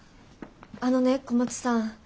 あのね小松さん。